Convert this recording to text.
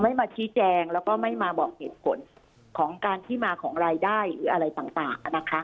ไม่มาชี้แจงแล้วก็ไม่มาบอกเหตุผลของการที่มาของรายได้หรืออะไรต่างนะคะ